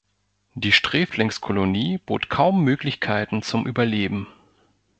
Die Sträflingskolonie bot kaum Möglichkeiten zum Überleben.